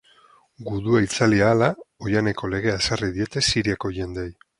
Gudua itzali ahala, oihaneko legea ezarri diete Siriako jendeei.